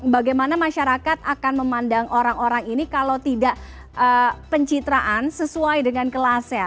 bagaimana masyarakat akan memandang orang orang ini kalau tidak pencitraan sesuai dengan kelasnya